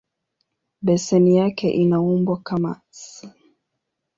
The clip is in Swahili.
Beseni yake ina umbo kama "S".